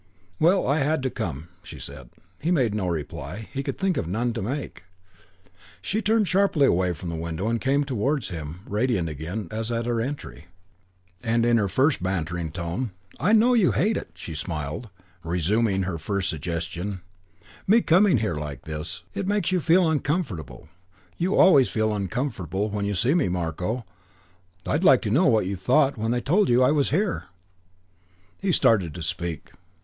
"Well, I had to come," she said. He made no reply. He could think of none to make. II She turned sharply away from the window and came towards him, radiant again, as at her entry. And in her first bantering tone, "I know you hate it," she smiled, resuming her first suggestion, "me coming here, like this. It makes you feel uncomfortable. You always feel uncomfortable when you see me, Marko. I'd like to know what you thought when they told you I was here " He started to speak.